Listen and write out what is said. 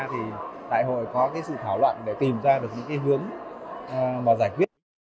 thì đại hội có cái sự thảo luận để tìm ra được những cái hướng mà giải quyết